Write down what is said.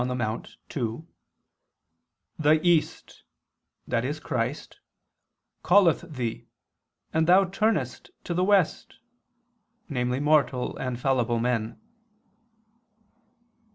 c, 2): "The East," that is Christ, "calleth thee, and thou turnest to the West," namely mortal and fallible man.